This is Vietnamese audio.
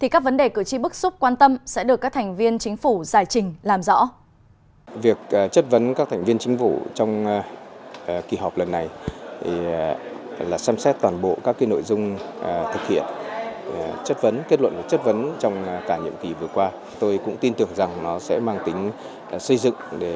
các vấn đề cử tri bức xúc quan tâm sẽ được các thành viên chính phủ giải trình làm rõ